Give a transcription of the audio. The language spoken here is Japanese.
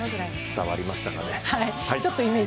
伝わりましたかね？